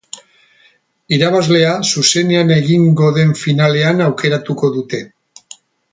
Irabazlea, zuzenean egingo den finalean aukeratuko dute.